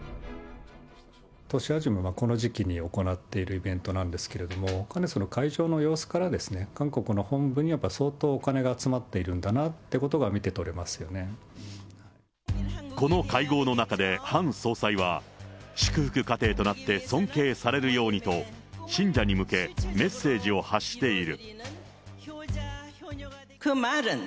年初めのこの時期に行っているイベントなんですけれども、かなり会場の様子から、韓国の本部に相当お金が集まっているんだなっていうことが見て取この会合の中で、ハン総裁は、祝福家庭となって尊敬されるようにと、信者に向け、メッセージを発している。